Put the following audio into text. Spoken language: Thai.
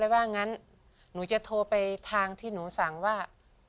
ว่างั้นหนูจะโทรไปทางที่หนูสั่งว่า